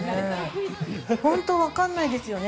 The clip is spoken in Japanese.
本当わかんないですよね。